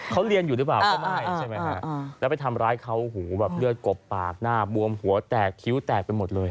เขาเรียนอยู่หรือเปล่าก็ไม่ใช่ไหมฮะแล้วไปทำร้ายเขาหูแบบเลือดกบปากหน้าบวมหัวแตกคิ้วแตกไปหมดเลย